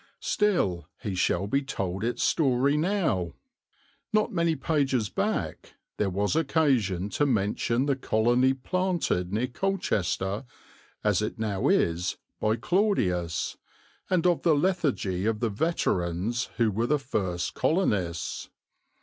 Still he shall be told its story now. Not many pages back there was occasion to mention the colony planted near Colchester, as it now is, by Claudius, and of the lethargy of the veterans who were the first colonists.